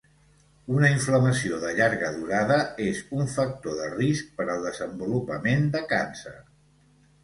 Una inflamació de llarga durada és un factor de risc per al desenvolupament de càncer.